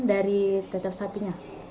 dari tetel sapinya